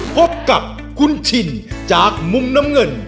พบกับคุณชินจากมุมน้ำเงิน